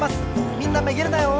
みんなめげるなよ！